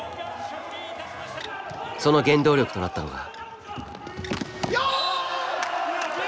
その原動力となったのが。